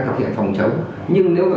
thực hiện phòng trống nhưng nếu mà